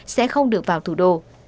sẽ không được vào thủ đô